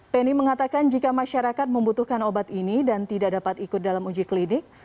penny mengatakan jika masyarakat membutuhkan obat ini dan tidak dapat ikut dalam uji klinik